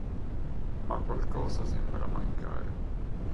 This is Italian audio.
Ma qualcosa sembra mancare.